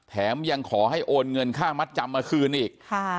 แถมยังขอให้โอนเงินค่ามัดจำมาคืนอีก